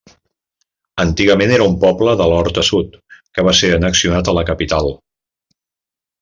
Antigament era un poble de l'Horta Sud que va ser annexionat a la capital.